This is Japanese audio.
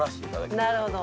なるほど。